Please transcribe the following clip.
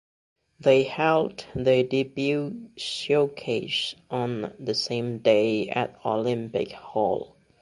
They held their debut showcase on the same day at Olympic Hall.